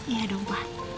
ya dong pa